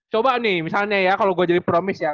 coba nih misalnya ya kalau gue jadi promis ya